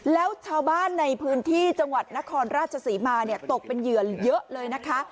แล้วชาวบ้านในพื้นที่จังหวัดนครราชศรีมาตกเป็นเหยื่อเยอะเลยนะคะ